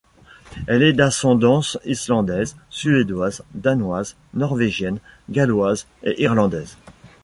Elle est d'ascendance islandaise, suédoise, danoise, norvégienne, galloise et irlandaise.